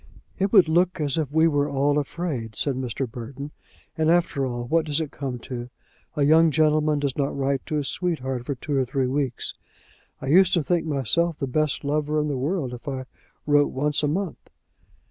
"It would look as if we were all afraid," said Mr. Burton, "and after all what does it come to? a young gentleman does not write to his sweetheart for two or three weeks. I used to think myself the best lover in the world if I wrote once a month."